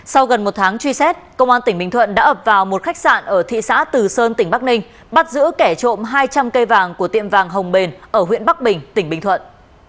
sau gần một tháng truy xét công an tỉnh bình thuận đã ập vào một khách sạn ở thị xã từ sơn tỉnh bắc ninh bắt giữ kẻ trộm hai trăm linh cây vàng của tiệm vàng hồng bền ở huyện bắc bình tỉnh bình thuận